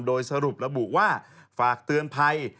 โดยสรุประบุว่าฝากเตือนภัย